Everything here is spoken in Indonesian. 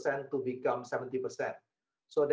untuk hal seperti itu